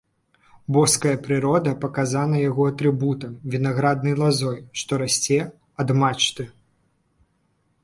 Боская прырода паказана яго атрыбутам, вінаграднай лазой, што расце ад мачты.